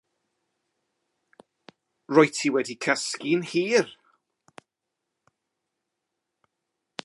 Rwyt ti wedi cysgu'n hir.